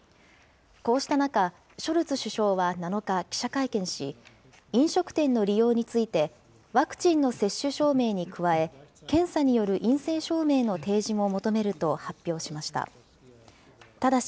こうした中、ショルツ首相は７日、記者会見し、飲食店の利用について、ワクチンの接種証明に加え、検査による陰性証明の提示も求めると発表しました。